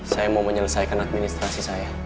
saya mau menyelesaikan administrasi saya